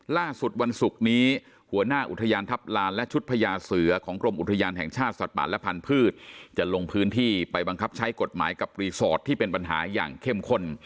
ล่าสุดวันศุกร์นี้หัวหน้าอุทยานทัพลานและชุดพญาเสือของกรมอุทยานแห่งชาติสัตว์ป่าและพันธุ์จะลงพื้นที่ไปบังคับใช้กฎหมายกับรีสอร์ทที่เป็นปัญหาอย่างเข้มข้น